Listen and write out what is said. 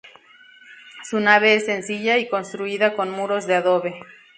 Su nave es sencilla y construida con muros de adobe.